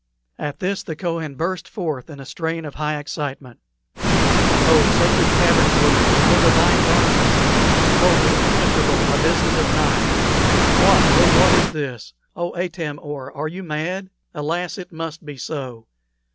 At this the Kohen burst forth in a strain of high excitement: "Oh, sacred cavern gloom! Oh, divine darkness! Oh, impenetrable abysses of night! What, oh, what is this! Oh, Atam or, are you mad? Alas! it must be so.